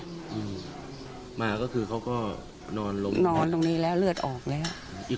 อืมมาก็คือเขาก็นอนลงนอนตรงนี้แล้วเลือดออกแล้วอีก